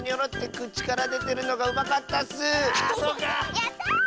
やった！